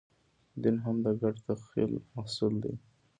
دین هم د ګډ تخیل محصول دی.